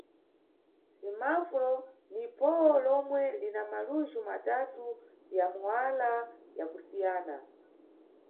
Simafuro ni phowo lomwe lina malujhu matatu ya muwala ya kusiyana.